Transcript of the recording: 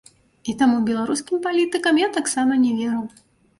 І таму беларускім палітыкам я таксама не веру.